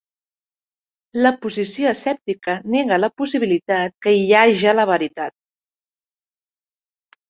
La posició escèptica nega la possibilitat que hi haja la veritat.